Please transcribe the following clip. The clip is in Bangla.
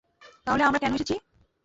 তাহলে আমরা কেন এসেছি?